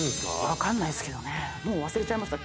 分かんないっすけどねもう忘れちゃいました